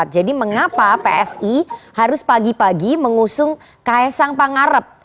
jadi mengapa psi harus pagi pagi mengusung ks sang pangarep